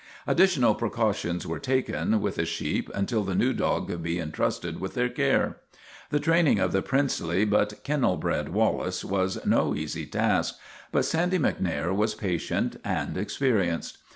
Additional precautions were taken with the sheep until the new dog could be intrusted with their care. The training of the princely but kennel bred Wal lace was no easy task, but Sandy MacNair was pa tient and experienced.